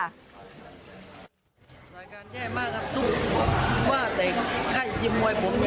จากการแย่มากครับว่าแต่ไข้ยึมมวยผมอย่างไร